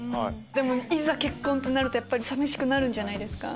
でもいざ結婚となるとやっぱり寂しくなるんじゃないですか？